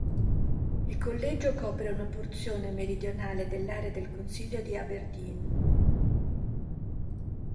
Il collegio copre una porzione meridionale dell'area del consiglio di Aberdeen.